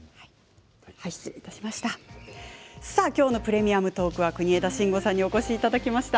今日の「プレミアムトーク」は国枝慎吾さんにお越しいただきました。